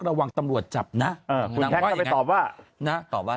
ระวังตำรวจจับเอ่อตอบว่าคุณแทคเนี้ยก็เข้าไปตอบ